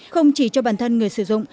không chỉ cho bản thân người sử dụng